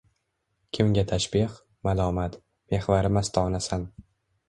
Kimga tashbeh – malomat, mehvari mastonasan.